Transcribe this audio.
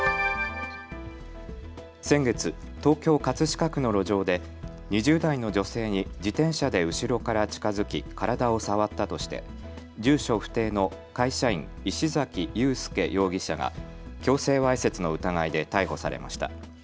先月、東京葛飾区の路上で２０代の女性に自転車で後ろから近づき体を触ったとして住所不定の会社員、石崎雄介容疑者が強制わいせつの疑いで逮捕されました。